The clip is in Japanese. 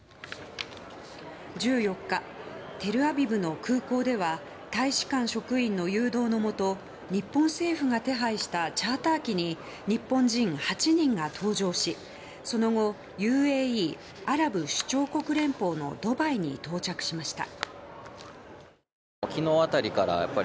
１４日、テルアビブの空港では大使館職員の誘導のもと日本政府が手配したチャーター機に日本人８人が搭乗しその後ＵＡＥ・アラブ首長国連邦のドバイに到着しました。